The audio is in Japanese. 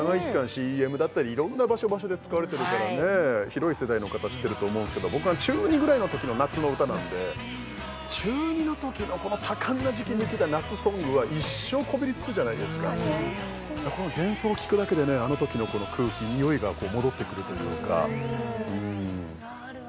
ＣＭだったり色んな場所場所で使われてるからね広い世代の方知ってると思うんすけど僕が中２ぐらいの時の夏の歌なんで中２の時のこの多感な時期に聴いた夏ソングは一生こびりつくじゃないですか確かにこの前奏を聴くだけでねあの時のこの空気匂いが戻ってくるというかうんあるわ